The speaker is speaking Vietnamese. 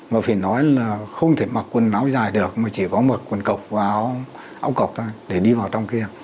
mà phải nói là không thể mặc quần áo dài được mà chỉ có mặc quần cọc áo cọc thôi để đi vào trong kia